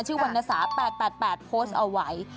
ชื่อวันนาสา๘๘๘โพสต์เอาไว้